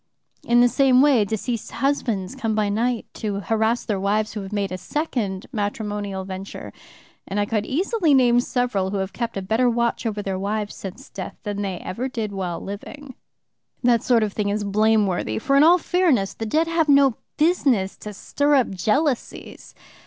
In the same way deceased husbands come by night to harass their wives who have made a second matrimonial venture, and I could easily name several who have kept a better watch over their wives since death than they ever did while living. "That sort of thing is blameworthy, for in all fairness the dead have no business to stir up jealousies.